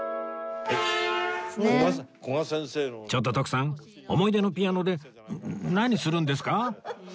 ちょっと徳さん思い出のピアノで何するんですか？